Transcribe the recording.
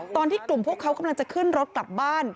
ตอนที่กลุ่มพวกเขากำลังจะขึ้นรถกลับบ้าน